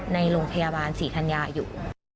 ในโรงพยาบาลศรีธัญญาอยู่